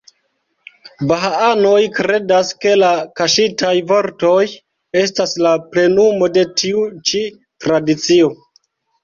Bahaanoj kredas, ke la "Kaŝitaj Vortoj" estas la plenumo de tiu ĉi tradicio.